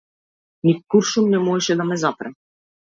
Ни куршум не можеше да ме запре.